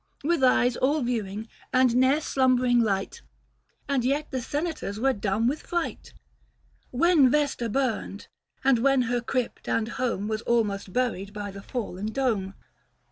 With eyes all vie wing and ne'er slumbering light : And yet the senators were dumb with fright, When Vesta burned, and when her crypt and home Was almost buried by the fallen dome.